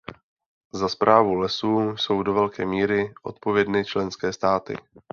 Za správu lesů jsou do velké míry odpovědny členské státy.